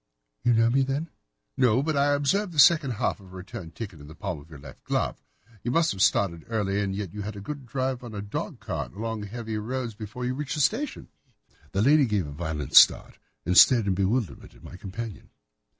"You know me, then?" "No, but I observe the second half of a return ticket in the palm of your left glove. You must have started early, and yet you had a good drive in a dog cart, along heavy roads, before you reached the station." The lady gave a violent start and stared in bewilderment at my companion.